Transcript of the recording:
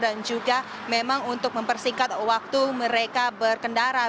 dan juga memang untuk mempersingkat waktu mereka berkendara